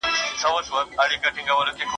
د ژوند تجربې يې د مشرتابه برخه وې.